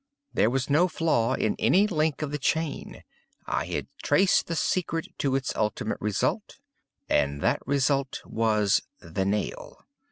There was no flaw in any link of the chain. I had traced the secret to its ultimate result,—and that result was _the nail.